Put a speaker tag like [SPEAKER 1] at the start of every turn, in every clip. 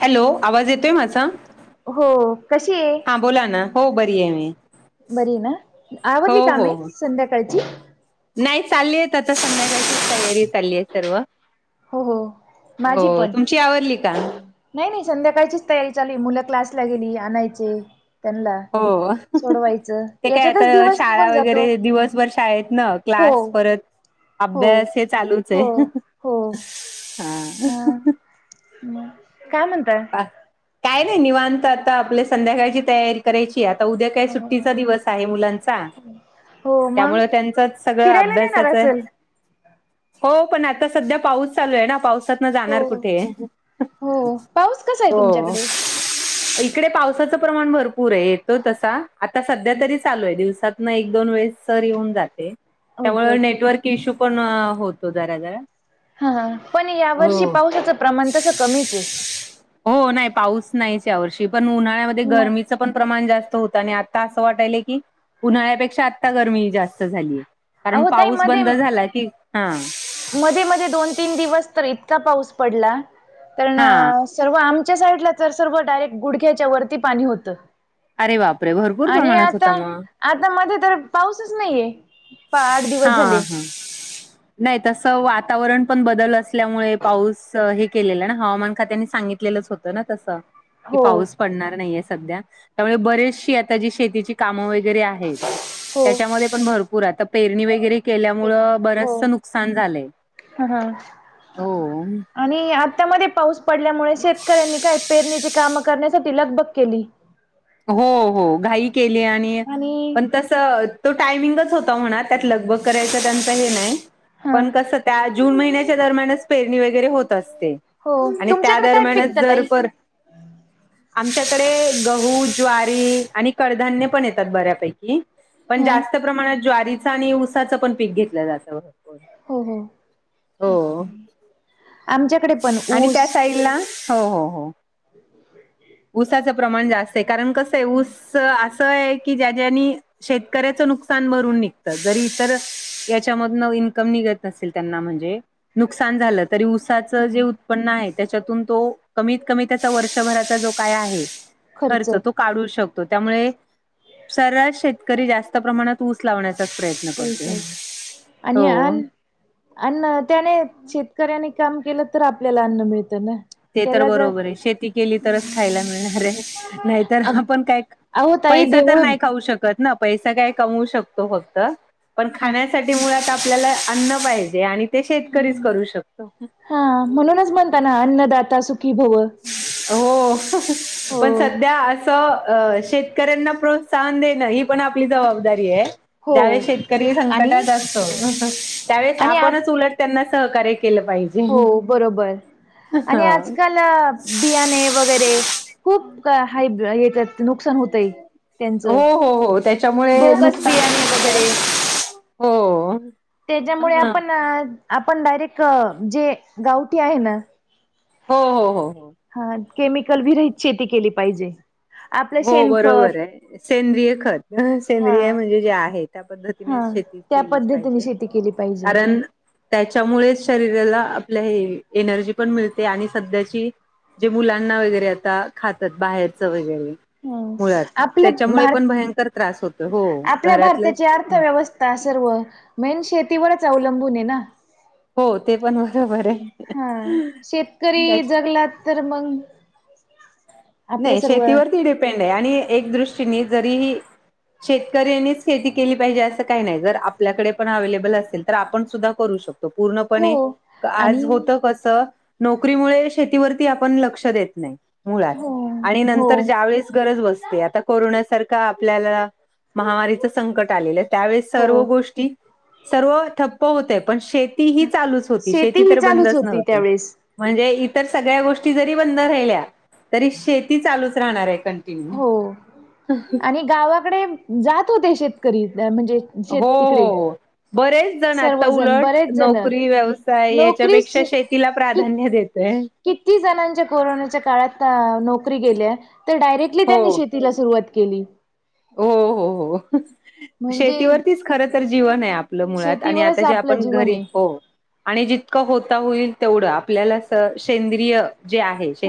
[SPEAKER 1] Hello. आवाज येतोय माझा?
[SPEAKER 2] हो कशी आहे
[SPEAKER 1] हा. बोला ना. हो बरी आहे मी.
[SPEAKER 2] बरी ना?
[SPEAKER 1] हो
[SPEAKER 2] आवरली
[SPEAKER 1] हो
[SPEAKER 2] कामे
[SPEAKER 1] हो
[SPEAKER 2] संध्याकाळची?
[SPEAKER 1] नाही. चालली आहेत आता संध्याकाळची तयारी चालली आहे सर्व.
[SPEAKER 2] हो हो माझी
[SPEAKER 1] हो
[SPEAKER 2] पण.
[SPEAKER 1] तुमची आवरली का
[SPEAKER 2] नाही नाही संध्याकाळचीच तयारी चालू आहे. मुलं क्लासला गेली, आणायचे. त्यांना
[SPEAKER 1] हो.
[SPEAKER 2] सोडवायचं
[SPEAKER 1] ते काय आता
[SPEAKER 2] याच्यातच दिवस
[SPEAKER 1] शाळा
[SPEAKER 2] निघून जातो
[SPEAKER 1] वगैरे, दिवसभर शाळेत ना?
[SPEAKER 2] हो
[SPEAKER 1] क्लास परत
[SPEAKER 2] हो
[SPEAKER 1] अभ्यास हे चालूच
[SPEAKER 2] हो
[SPEAKER 1] आहे.
[SPEAKER 2] हो
[SPEAKER 1] हा.
[SPEAKER 2] हं.
[SPEAKER 1] काय नाही निवांत आता. आपली संध्याकाळची तयारी. करायची. आता उद्या काय सुट्टीचा
[SPEAKER 2] अं,
[SPEAKER 1] दिवस आहे मुलांचा.
[SPEAKER 2] हो मग
[SPEAKER 1] त्यामुळे त्यांचच सगळं
[SPEAKER 2] फिरायला नेणार
[SPEAKER 1] अभ्यासाच-
[SPEAKER 2] असेल
[SPEAKER 1] हो. पण आता सध्या पाऊस चालू आहे ना, पावसातंन
[SPEAKER 2] हो
[SPEAKER 1] जाणार कुठे?
[SPEAKER 2] हो पाऊस कसा आहे
[SPEAKER 1] हो.
[SPEAKER 2] तुमच्याकडे
[SPEAKER 1] इकडे पावसाचं प्रमाण भर- पुर आहे. येतो तसा आता सध्या तरी चालू आहे. दिवसातन एक दोन वेळेस सर येऊन जाते.
[SPEAKER 2] ओके
[SPEAKER 1] त्यामुळे
[SPEAKER 2] ओके
[SPEAKER 1] नेटवर्क इश्यू पण होतो जरा जरा.
[SPEAKER 2] हा. पण या वर्षी
[SPEAKER 1] हो
[SPEAKER 2] पावसाचं प्रमाण तसं कमीच आहे.
[SPEAKER 1] हो. नाही पाऊस नाहीच या वर्षी. पण उन्हाळ्यामध्ये
[SPEAKER 2] मग
[SPEAKER 1] गरमी- च पण प्रमाण जास्त होतं. आणि आता असं वाटायलय की- उन्हाळ्यापेक्षा आता गरमी जास्त झालीय. कारण
[SPEAKER 2] अहो ताई
[SPEAKER 1] पाऊस
[SPEAKER 2] मध्ये
[SPEAKER 1] बंद झाला की हा.
[SPEAKER 2] मध्ये मध्ये दोन तीन दिवस तर इतका पाऊस पडला. पण-
[SPEAKER 1] हा
[SPEAKER 2] तेव्हा आमच्या साईडला तर सर्व डायरेक्ट गुडघ्याच्या वरती पाणी होतं.
[SPEAKER 1] अरे बापरे! भरपूर
[SPEAKER 2] आणि
[SPEAKER 1] प्रमाणात
[SPEAKER 2] आता
[SPEAKER 1] होता मग.
[SPEAKER 2] आता मध्ये तर पाऊसच नाहीये. आठ दिवस
[SPEAKER 1] हा
[SPEAKER 2] झाले.
[SPEAKER 1] हा. नाही तसं वातावरण पण बदल असल्यामुळे पाऊस हे केलेलं ना? हवामान खात्याने सांगितलेलंच होतं- होतं ना तसं. कि
[SPEAKER 2] हो
[SPEAKER 1] पाऊस पडणार नाहीये सध्या. त्यामुळे बरेचशी आता जी शेतीची कामं वगैरे आहे- आहेत.
[SPEAKER 2] हो
[SPEAKER 1] त्याच्यामधे पण भरपूर आता पेरणी वगैरे- केल्यामुळं
[SPEAKER 2] हो
[SPEAKER 1] बरचसं नुकसान झालंय.
[SPEAKER 2] ह ह
[SPEAKER 1] हो.
[SPEAKER 2] आणि आत्ता मध्ये पाऊस पडल्यामुळे शेतकऱ्यांनी काय पेरणीची काम करण्यासाठी लगबग केली.
[SPEAKER 1] हो हो. घाई केली आणि
[SPEAKER 2] आणि
[SPEAKER 1] पण तस- तो टायमिंगच होता म्हणा. त्यात लगबग करायचं त्यांच हे नाही.
[SPEAKER 2] हा
[SPEAKER 1] पण कसं? त्या जून महिन्याच्या दरम्यानच पेरणी वगैरे होत असते.
[SPEAKER 2] हो
[SPEAKER 1] आणि त्या
[SPEAKER 2] तुमच्याकडे काय
[SPEAKER 1] दरम्यानच
[SPEAKER 2] पिकत
[SPEAKER 1] जर
[SPEAKER 2] ताई?
[SPEAKER 1] पर, आमच्याकडे गहू- ज्वारी आणि कडधान्य पण येतात बऱ्यापैकी. पण
[SPEAKER 2] ह
[SPEAKER 1] जास्त प्रमाणात- ज्वारीच आणि ऊसाचं पण पीक घेतलं जातं भरपूर.
[SPEAKER 2] हो,
[SPEAKER 1] हो
[SPEAKER 2] आमच्याकडे पण ऊस
[SPEAKER 1] [unintelligible] ना, हो, हो, हो. ऊसाचं प्रमाण जास्त ये, कारण कस आहे ऊस असं आहे की, ज्यांनी ज्यांनी शेतकऱ्याचं नुकसान भरून निघतं, जरी इतर याच्यामधन इन्कम निघत नसेल त्यांना म्हणजे नुकसान झालं तरी त्याच जे
[SPEAKER 2] हो
[SPEAKER 1] उत्पन्न आहे, त्याच्यातून तो कमीत-कमी त्याच वर्षभराचा जो काय आहे खर्च तो काढू शकतो, त्यामुळे सरास शेतकरी जास्त प्रमाणात ऊस लावण्याचाच प्रयत्न करतो,
[SPEAKER 2] ऊसच आणि
[SPEAKER 1] हो.
[SPEAKER 2] अन अन्न त्याने, शेतकऱ्याने काम केलं तर आपल्याला अन्न मिळतं ना.
[SPEAKER 1] ते तर
[SPEAKER 2] त्याला जर
[SPEAKER 1] बरोबर आहे, शेती केली तरच खायला मिळणार आहे, नाहीतर आपण काय
[SPEAKER 2] अहो ताई
[SPEAKER 1] पैसा तर
[SPEAKER 2] देऊळ
[SPEAKER 1] नाही खाऊ शकत ना? पैसा काय कमू शकतो फक्त, पण खाण्यासाठी मुळात आपल्याला अन्न पाहिजे, आणि ते शेतकरीच करू शकतो.
[SPEAKER 2] हा, म्हणूनच म्हणताना अन्नदाता सुखी भव.
[SPEAKER 1] हो, पण
[SPEAKER 2] हो
[SPEAKER 1] सध्या असं शेतकऱ्यांना प्रो त्साहन देणं, ही पण आपली जबाबदारी आहे.
[SPEAKER 2] हो
[SPEAKER 1] ज्यावेळेस शेतकरी
[SPEAKER 2] आणि
[SPEAKER 1] संकटात असतो, त्यावेळेस
[SPEAKER 2] आणि आ
[SPEAKER 1] आपणच उलट त्यांना सहकार्य केलं पाहिजे.
[SPEAKER 2] हो, बरोबर.
[SPEAKER 1] हा
[SPEAKER 2] आणि आजकाल बियाणे वगैरे खूप [unintelligible] नुकसान होतय
[SPEAKER 1] हो
[SPEAKER 2] त्यांचं
[SPEAKER 1] हो हो त्याच्यामुळे
[SPEAKER 2] बोगस
[SPEAKER 1] नुकसान
[SPEAKER 2] बियाणे वगैरे
[SPEAKER 1] पण होतंय. हो
[SPEAKER 2] त्याच्यामुळे
[SPEAKER 1] हा
[SPEAKER 2] आपण आपण डायरेक्ट, जे गावठी आहे ना?
[SPEAKER 1] हो. हो. हो. हो.
[SPEAKER 2] हा, केमिकल विरहित शेती केली पाहिजे. आपलं
[SPEAKER 1] हो बरोबर
[SPEAKER 2] शेणखत
[SPEAKER 1] आहे, सेंद्रिय खत,
[SPEAKER 2] हा
[SPEAKER 1] सेंद्रिय म्हणजे जे आहेत. त्या पद्धतीने
[SPEAKER 2] हा
[SPEAKER 1] शेती
[SPEAKER 2] त्या
[SPEAKER 1] केलीच
[SPEAKER 2] पद्धतीने
[SPEAKER 1] पाहिजे,
[SPEAKER 2] शेती केली पाहिजे
[SPEAKER 1] कारण त्याच्यामुळेच शरीराला आपल्या हे एनर्जी पण मिळते, आणि सध्याची जे मुलांना वगैरे आता खातात, बाहेरच वगैरे
[SPEAKER 2] ह
[SPEAKER 1] मुळात
[SPEAKER 2] आपल्या
[SPEAKER 1] त्याच्यामुळे पण
[SPEAKER 2] भारत
[SPEAKER 1] भयंकर त्रास होतो, हो घरातलं
[SPEAKER 2] [unintelligible] व्यवस्था सर्व, मेन शेतीवरच अवलंबून आहे ना.
[SPEAKER 1] हो, ते पण बरोबर आहे.
[SPEAKER 2] हा, शेतकरी
[SPEAKER 1] त्याच
[SPEAKER 2] जगलात तर मग आपले
[SPEAKER 1] नाही
[SPEAKER 2] सर्व
[SPEAKER 1] शेतीवरती डिपेंड आहे, आणि एक दृष्टीने जरीही शेतकऱ्यांनीच खेती केली पाहिजे, असं काही नाही. जर आपल्याकडे पण अवे्लेबल असेल, तर आपण सुद्धा करू शकतो. त
[SPEAKER 2] हो
[SPEAKER 1] पूर्णपणे, आज
[SPEAKER 2] आणि
[SPEAKER 1] होतं कसं नोकरीमुळे शेतीवरती आपण लक्ष देत नाही, मुळात.
[SPEAKER 2] हो
[SPEAKER 1] आणि
[SPEAKER 2] हो
[SPEAKER 1] नंतर ज्या वेळेस गरज बसते, आता कोरोनासारखा आपल्याला महामारीच संकट आलेलं, त्यावेळेस
[SPEAKER 2] हो
[SPEAKER 1] सर्व गोष्टी सर्व ठप्प होतय, पण शेती ही चालूच होती, शेती
[SPEAKER 2] ही
[SPEAKER 1] तर
[SPEAKER 2] चालूच
[SPEAKER 1] बंदच
[SPEAKER 2] होती
[SPEAKER 1] नव्हती.
[SPEAKER 2] त्यावेेळेस
[SPEAKER 1] म्हणजे इतर सगळ्या गोष्टी जरी बंद राहिल्या, तरी शेती चालूच राहणार आहे, क
[SPEAKER 2] हो
[SPEAKER 1] [inaudible]
[SPEAKER 2] आणि गावाकडे जात होते शेतकरी, म्हणजे
[SPEAKER 1] हो.
[SPEAKER 2] शेत
[SPEAKER 1] हो.
[SPEAKER 2] तिकडे
[SPEAKER 1] हो. बरेच जण आता
[SPEAKER 2] सर्वजण
[SPEAKER 1] उलट,
[SPEAKER 2] बरेच जण
[SPEAKER 1] नोकरी, व्यवसाय,
[SPEAKER 2] नोकरीच
[SPEAKER 1] याच्यापेक्षा शेतीला
[SPEAKER 2] कि
[SPEAKER 1] प्राधान्य देतय.
[SPEAKER 2] किती जणांच्या कोरोनाच्या काळात नोकरी गेल्या, तर डायरेक्टली त्यांनी
[SPEAKER 1] हो
[SPEAKER 2] श तिला सुरुवात केली.
[SPEAKER 1] हो. हो. हो.
[SPEAKER 2] म्हणजे
[SPEAKER 1] शेतीवरतीच खर तर जीवन आहे आपलं मुळात, आणि
[SPEAKER 2] शेतीवरच
[SPEAKER 1] आता जे
[SPEAKER 2] आपलं
[SPEAKER 1] आपण
[SPEAKER 2] जीवन
[SPEAKER 1] घरी
[SPEAKER 2] आहे
[SPEAKER 1] हो आणि जितकं होता होईल तेवढं, आपल्याला स सेंद्रिय जे आहे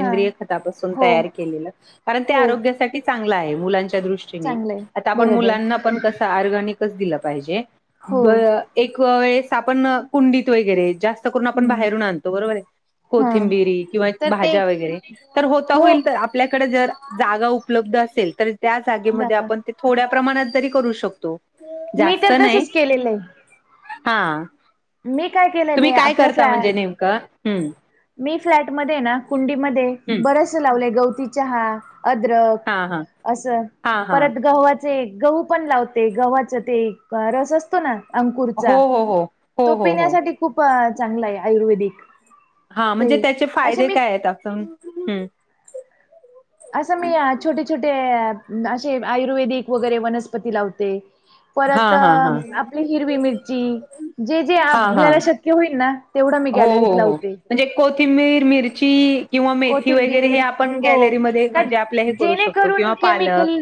[SPEAKER 2] हा
[SPEAKER 1] खासून
[SPEAKER 2] हो
[SPEAKER 1] तयार के कारण ते
[SPEAKER 2] हो
[SPEAKER 1] आरोग्यासाठी चांगलं आहे मुलांच्या दृष्टी.
[SPEAKER 2] चांगलंय
[SPEAKER 1] आता आपण
[SPEAKER 2] बरोबर
[SPEAKER 1] मुलांना पण कस अर्गनिकच दिलं पाहिजे.
[SPEAKER 2] हो
[SPEAKER 1] एक वेळेस आपण कुंडीत वगैरे जास्त करून आपण
[SPEAKER 2] हम्म
[SPEAKER 1] बाहेरून आणतो बरोबर आहे.
[SPEAKER 2] हा
[SPEAKER 1] कोथिंबिरी किंवा
[SPEAKER 2] तर ते
[SPEAKER 1] भाज्या वगैरे तर होता
[SPEAKER 2] हो
[SPEAKER 1] होईल तर आपल्याकडे जर. जागा उपलब्ध असेल तर त्या जागेमध्ये
[SPEAKER 2] दादा
[SPEAKER 1] आपण ते थोड्या प्रमाणात जरी करू शकतो.
[SPEAKER 2] मी
[SPEAKER 1] जास्त
[SPEAKER 2] तर
[SPEAKER 1] नाही
[SPEAKER 2] तसच केलेलं आहे
[SPEAKER 1] हा.
[SPEAKER 2] मी काय केलेलं
[SPEAKER 1] तुम्ही
[SPEAKER 2] आहे
[SPEAKER 1] काय
[SPEAKER 2] आपल्या
[SPEAKER 1] करता
[SPEAKER 2] फ्लॅ
[SPEAKER 1] म्हणजे नेमकं हम्.
[SPEAKER 2] मी फ्लॅट मध्ये ना कुंडी मध्ये
[SPEAKER 1] हम्म
[SPEAKER 2] बरस लावले गवती चहा, अद्रक,
[SPEAKER 1] हा हा
[SPEAKER 2] असं
[SPEAKER 1] हा हा
[SPEAKER 2] परत गववात. गहू पण लावते गव्हाचा ते रस असतो ना
[SPEAKER 1] हो
[SPEAKER 2] अंकुरचा.
[SPEAKER 1] हो हो हो
[SPEAKER 2] तो
[SPEAKER 1] हो हो
[SPEAKER 2] पिण्यासाठी खूप चांगला आहे आयुर्वेदिक.
[SPEAKER 1] हा
[SPEAKER 2] ते
[SPEAKER 1] म्हणजे त्याचे
[SPEAKER 2] असे
[SPEAKER 1] फायदे
[SPEAKER 2] मी
[SPEAKER 1] काय आहेत आप
[SPEAKER 2] असं मी छोटे छोटे असे आयुर्वेदिक वगैरे वनस्पती लावते.
[SPEAKER 1] हा
[SPEAKER 2] परत
[SPEAKER 1] हा हा
[SPEAKER 2] आपली हिरवी मिरची जे जे
[SPEAKER 1] हा हा
[SPEAKER 2] आपल्याला शक्य होईल ना,, तेवढं मी
[SPEAKER 1] हो हो
[SPEAKER 2] गॅलरीत
[SPEAKER 1] हो
[SPEAKER 2] लावते.
[SPEAKER 1] म्हणजे कोथिंबीर मिरची. किंवा मेथी वगैरे हे
[SPEAKER 2] कोथिंबीर
[SPEAKER 1] आपण
[SPEAKER 2] हो
[SPEAKER 1] गॅलरीमध्ये
[SPEAKER 2] का
[SPEAKER 1] म्हणजे आपल्या हे करू शकतो किंवा
[SPEAKER 2] जेणेकरून
[SPEAKER 1] पालक,
[SPEAKER 2] केमिकल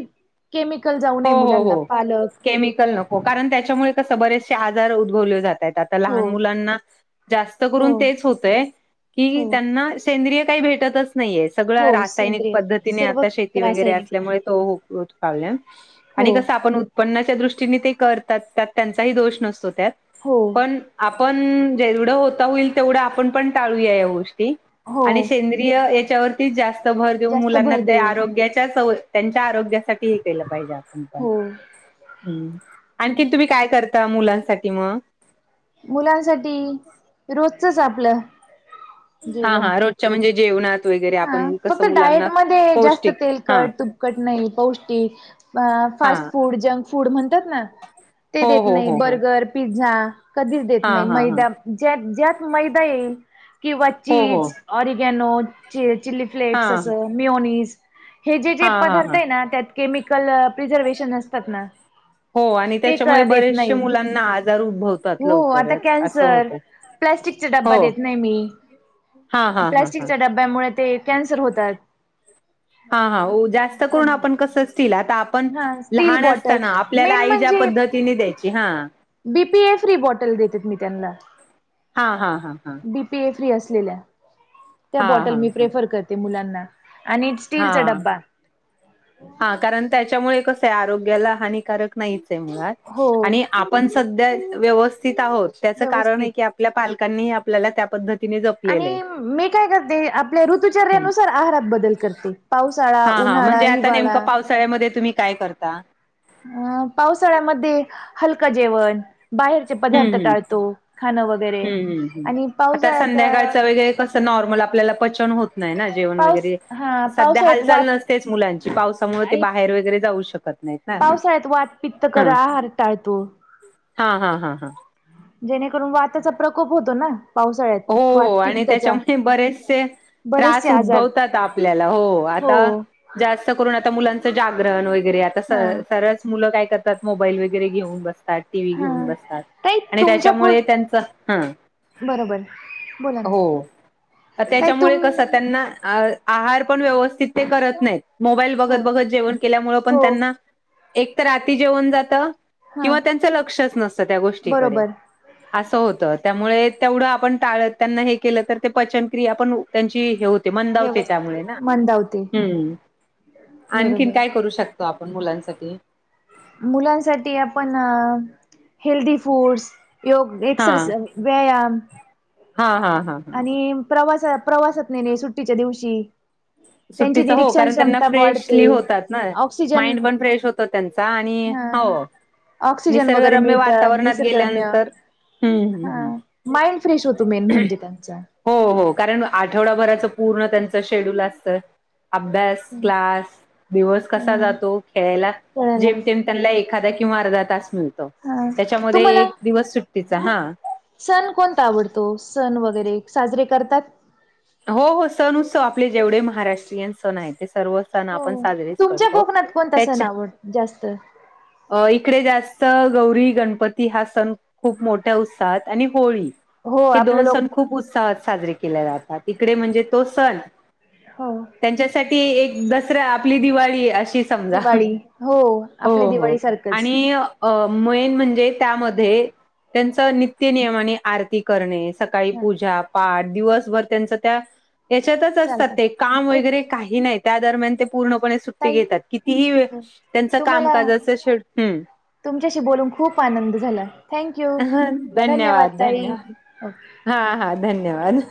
[SPEAKER 2] केमिकल जाऊ नये
[SPEAKER 1] हो हो
[SPEAKER 2] मुलांना
[SPEAKER 1] हो
[SPEAKER 2] पालक.
[SPEAKER 1] केमिकल नको कारण त्याच्यामुळे कस बरेचसे आजार उद्भवले जात आहेत आता
[SPEAKER 2] हो
[SPEAKER 1] लहान मुलांना. जास्त
[SPEAKER 2] हो
[SPEAKER 1] करून तेच होतय की
[SPEAKER 2] हो
[SPEAKER 1] त्यांना सेंद्रिय काही भेटत अस, नाहीे
[SPEAKER 2] हो
[SPEAKER 1] सगळं रासायनिक
[SPEAKER 2] सेंद्रिय
[SPEAKER 1] पद्धतीने
[SPEAKER 2] सर्व
[SPEAKER 1] आता शेती वगैरे
[SPEAKER 2] रासायनिक
[SPEAKER 1] असल्यामुळे तो उकावला.
[SPEAKER 2] हो
[SPEAKER 1] आणि कसं आपण उत्पन्नाच्या दृष्टीने ते करतात त्यात त्यांचाही दोष नसतो त्यात.
[SPEAKER 2] हो.
[SPEAKER 1] पण आपण जेवढ होता होईल तेवढ आपण पण टाळूया या गोष्टीे.
[SPEAKER 2] हो
[SPEAKER 1] याच्यावरतीच जास्त भर देऊन
[SPEAKER 2] जास्त
[SPEAKER 1] मुलांना
[SPEAKER 2] भर
[SPEAKER 1] ते
[SPEAKER 2] देऊ
[SPEAKER 1] आरोग्याच्या. त्यांच्या आरोग्यासाठी के पाहिजे
[SPEAKER 2] हो
[SPEAKER 1] आपण आणखी तुम्ही काय कर मुलांसाठी मग.
[SPEAKER 2] मुलांसाठी रोजचच आपलं.
[SPEAKER 1] हा
[SPEAKER 2] जेवण
[SPEAKER 1] हा रोजच्या म्हणजे जेवणात वगैरे
[SPEAKER 2] हा
[SPEAKER 1] आपण
[SPEAKER 2] फक्त
[SPEAKER 1] कसं मुलांना पौष्टिक हा.
[SPEAKER 2] कट नाहीई पौष्टिक
[SPEAKER 1] हा
[SPEAKER 2] फास्ट फूड जंक फूड म्हणतात ना. ते
[SPEAKER 1] हो
[SPEAKER 2] देत
[SPEAKER 1] हो
[SPEAKER 2] नाही
[SPEAKER 1] हो हो
[SPEAKER 2] बर्गर पिझ्झा कधीच देत
[SPEAKER 1] हा
[SPEAKER 2] नाही
[SPEAKER 1] हा हा
[SPEAKER 2] मैदा ज्यात ज्यात मैदा येईल किंवा
[SPEAKER 1] हो हो
[SPEAKER 2] चीज ऑरिगॅनो. चिली
[SPEAKER 1] हा
[SPEAKER 2] फ्लेक्स असं मिोनीस हे जे जे
[SPEAKER 1] हा हा
[SPEAKER 2] पदार्थ
[SPEAKER 1] हा
[SPEAKER 2] आहे ना त्यात केमिकल प्रिझर्वेशन असतात ना,,
[SPEAKER 1] हो आणि
[SPEAKER 2] ते
[SPEAKER 1] त्याच्यामुळे
[SPEAKER 2] देत
[SPEAKER 1] बरेचसे
[SPEAKER 2] नाही
[SPEAKER 1] मुलांना आजार उद्भवतात लवकरच असं होत.
[SPEAKER 2] प्लाॅस्टिकचा डबबा
[SPEAKER 1] हो
[SPEAKER 2] देत नाही मी.
[SPEAKER 1] हा हा हा. हा
[SPEAKER 2] डब्यामुळे कन्सर होतात.
[SPEAKER 1] हा हा जास्त करून आपण कस असतील आ आपण
[SPEAKER 2] हा स्टील
[SPEAKER 1] लहान
[SPEAKER 2] बॉटल
[SPEAKER 1] असताना आपल्याला
[SPEAKER 2] मेन
[SPEAKER 1] आई ज्या पद्धतीने द्यायची हा.
[SPEAKER 2] बीपी ए फ्री बॉटल देतेत मी त्यांना.
[SPEAKER 1] हा हा हा हां.
[SPEAKER 2] बीपी ए फ्री असलेल्या त्या
[SPEAKER 1] हा
[SPEAKER 2] बॉटल
[SPEAKER 1] हा
[SPEAKER 2] मी
[SPEAKER 1] हा
[SPEAKER 2] प्रेफर करते मुलांना. आणि स्टीलचा
[SPEAKER 1] हा
[SPEAKER 2] डब्बा.
[SPEAKER 1] हा कारण त्याच्यामुळे कस आहे आरोग्याला हानिकारक नाहीच आहे मुळात
[SPEAKER 2] हो
[SPEAKER 1] आणि आपण सध्या व्यवस्थित आहोत त्याचं कारण
[SPEAKER 2] व्यवस्थित
[SPEAKER 1] आहे की आपल्या पालकांनीही आपल्याला त्या पद्धती.
[SPEAKER 2] आणि मी काय करते आपल्या
[SPEAKER 1] हम्म
[SPEAKER 2] ऋतुचर््यानुसार आहारात बदल करते पावसाळा.
[SPEAKER 1] ह हा
[SPEAKER 2] उन्हाळा
[SPEAKER 1] म्हणजे आता
[SPEAKER 2] हिवाळा
[SPEAKER 1] नेमकं पावसाळ्यामध्ये तुम्ही काय करता.
[SPEAKER 2] अ पावसाळ्यामध्ये हलका जेवण बाहेर.
[SPEAKER 1] हम्म
[SPEAKER 2] पदार्थ
[SPEAKER 1] हम्म
[SPEAKER 2] टाळतो खाणं वगैरे
[SPEAKER 1] हम्म हम्म हम्म.
[SPEAKER 2] आणि
[SPEAKER 1] आता
[SPEAKER 2] पावसाळ्यात
[SPEAKER 1] संध्याकाळचं वगैरे कसं नॉर्मल आपल्याला पचन होत नाही ना. जेवण
[SPEAKER 2] पाऊस
[SPEAKER 1] वगैरे
[SPEAKER 2] हा
[SPEAKER 1] सध्या
[SPEAKER 2] पावसाळ्यात
[SPEAKER 1] हालचाल
[SPEAKER 2] वात
[SPEAKER 1] नसतेच मुलांची पावसामुळे ते
[SPEAKER 2] आणि
[SPEAKER 1] बाहेर वगैरे जाऊ शकत नाहीत ना.
[SPEAKER 2] पावसाळ्यात वात पित्त कर
[SPEAKER 1] हा
[SPEAKER 2] आहार टाळतो
[SPEAKER 1] हा हा हा हा
[SPEAKER 2] जेणेकरून वात्याचा प्रकोप होतो ना पावसाळ्यात वात
[SPEAKER 1] हो आणि
[SPEAKER 2] पित्तचा
[SPEAKER 1] त्याच्यामुळे बरेचसे
[SPEAKER 2] बरेचसे
[SPEAKER 1] त्रास
[SPEAKER 2] आजार
[SPEAKER 1] उद्भवतात आपल्याला हो आता जास्त करून आता मुलांचं जागरण वगैरे आता स
[SPEAKER 2] हा
[SPEAKER 1] सर मुलं काय करतात मोबाईल वगैरे घेऊन बस टी व्ही
[SPEAKER 2] हा
[SPEAKER 1] घेऊन बसतात
[SPEAKER 2] ताई
[SPEAKER 1] आणि
[SPEAKER 2] तुमच्या पु
[SPEAKER 1] त्याच्यामुळे त्यांच हा
[SPEAKER 2] बरोबर बोला
[SPEAKER 1] हो
[SPEAKER 2] ना ताई तुम
[SPEAKER 1] त्याच्यामुळे कसं त्यांना अ आहार पण व्यवस्थित ते करत नाहीत मोबाईल
[SPEAKER 2] हो
[SPEAKER 1] बघत बघत जेवण केल्यामुळे पण
[SPEAKER 2] हो
[SPEAKER 1] त्यांना एक तर आाती जेवण जात
[SPEAKER 2] हा
[SPEAKER 1] किंवा त्यांचं लक्षच नसतं त्या गोष्टीकडे
[SPEAKER 2] बरोबर
[SPEAKER 1] असं होत त्यामुळे तेवढं आपण टाळत त्यांना हे केलं तर ते पचनक्रिया पण त्यांची हो मंदावते
[SPEAKER 2] व्यवस्थित
[SPEAKER 1] त्यामुळे ना
[SPEAKER 2] मंदावते
[SPEAKER 1] आणखीन
[SPEAKER 2] बरोबर
[SPEAKER 1] काय करू शक आपण मुलांनसाठी
[SPEAKER 2] मुलांनसाठी आपण हेल्दी फूडस योग
[SPEAKER 1] हा
[SPEAKER 2] एक्सरस व्यायाम
[SPEAKER 1] हा हा हां
[SPEAKER 2] आणि प्रवास प्रवासात नाही नाही सुट्टीच्या दिवशी त्यांची
[SPEAKER 1] सुट्टीचा हो
[SPEAKER 2] निरीक्षण
[SPEAKER 1] कारण त्यांना
[SPEAKER 2] क्षमता वाढते
[SPEAKER 1] फ्रेशली होतात ना
[SPEAKER 2] ऑक्सिजन
[SPEAKER 1] माइंड पण फ्रेश होत त्यांचा आणि
[SPEAKER 2] हा
[SPEAKER 1] हो
[SPEAKER 2] ऑक्सिजन वगैरे
[SPEAKER 1] निसर्गरम्य
[SPEAKER 2] मिळतं
[SPEAKER 1] वातावरणात
[SPEAKER 2] निसर्गरम्य
[SPEAKER 1] गेल्यानंतर हम्म हम्म
[SPEAKER 2] हा
[SPEAKER 1] हम्म
[SPEAKER 2] माइंड फ्रेश होतो मेन म्हणजे त्यांचा
[SPEAKER 1] हो हो कारण आठवडाभराच पूर्ण त्यांच शेड्यूल असत अभ्यास क्लास दिवस कसा
[SPEAKER 2] हा
[SPEAKER 1] जातो खेळायला
[SPEAKER 2] कळाला
[SPEAKER 1] जेमतेम त्यांना एखादा किंवा अर्धा तास मिळतो
[SPEAKER 2] हा
[SPEAKER 1] त्याच्यामध्ये
[SPEAKER 2] तुम्हाला
[SPEAKER 1] एक दिवस सुट्टीचा हा
[SPEAKER 2] सण कोणता आवडतो सण वगैरे साजरे करतात
[SPEAKER 1] हो हो सण उत्सव आपले जेवढे महाराष्ट्रीयन सण आहे ते सर्व सण
[SPEAKER 2] हो
[SPEAKER 1] आपण साजरेच
[SPEAKER 2] तुमच्या
[SPEAKER 1] करतो
[SPEAKER 2] कोकणात कोणता सण
[SPEAKER 1] त्याच्या
[SPEAKER 2] आवड जास्त
[SPEAKER 1] अ इकडे जास्त गौरी गणपती हा सण खूप मोठ्या उत्साहात आणि होळी
[SPEAKER 2] हो
[SPEAKER 1] हे
[SPEAKER 2] आपल्या
[SPEAKER 1] दोन
[SPEAKER 2] लोक
[SPEAKER 1] सण खूप उत्साहात साजरे केले जातात इकडे म्हणजे तो सण
[SPEAKER 2] हो
[SPEAKER 1] त्यांच्यासाठी एक दसरा आपली दिवाळी अशी समजा
[SPEAKER 2] दिवाळी हो आपल्या
[SPEAKER 1] हो हो
[SPEAKER 2] दिवाळी सारखंच
[SPEAKER 1] आणि अ मेन म्हणजे त्यामध्ये त्यांच नित्य नियम आणि आर्थिक करणे सकाळी
[SPEAKER 2] हा
[SPEAKER 1] पूजा पाठ दिवसभर त्यांच त्या याच्यातच असतात
[SPEAKER 2] चालत
[SPEAKER 1] ते काम वगैरे
[SPEAKER 2] ओके
[SPEAKER 1] काही नाही त्या दरम्यान ते पूर्णपणे सुट्टी
[SPEAKER 2] ताई
[SPEAKER 1] घेतात कितीही वे
[SPEAKER 2] ठीक आहे
[SPEAKER 1] त्यांच
[SPEAKER 2] तुम्हाला
[SPEAKER 1] कामकाजच शेड्युल
[SPEAKER 2] तुमच्याशी बोलून खूप आनंद झाला थँक यू
[SPEAKER 1] हम्म
[SPEAKER 2] धन्यवाद ताई
[SPEAKER 1] धन्यवाद हा हा धन्यवाद